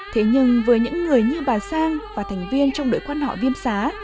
thế nhưng với những người như bà sang và thành viên trong đội quan họ viêm xá